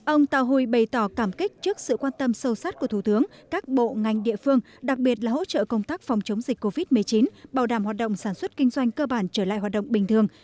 ông tao huy bày tỏ cảm kích trước sự quan tâm sâu sát của thủ tướng các bộ ngành địa phương đặc biệt là hỗ trợ công tác phòng chống dịch covid một mươi chín bảo đảm hoạt động sản xuất kinh doanh cơ bản trở lại hoạt động bình thường